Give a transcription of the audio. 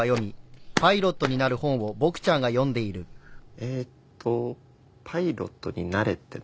えーとパイロットになれっての？